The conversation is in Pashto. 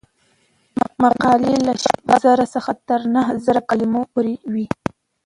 مقالې له شپږ زره څخه تر نهه زره کلمو پورې وي.